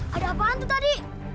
ada apaan tuh tadi